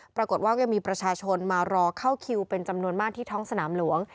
ปรากฏว่ายังมีประชาชนมารอเข้าคิวเป็นจำนวนมากที่ท้องสนามหลวง